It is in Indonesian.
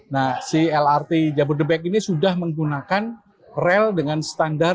nah si lrt jabodebek ini sudah menggunakan rel dengan standar